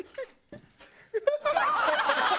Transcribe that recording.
ハハハハ！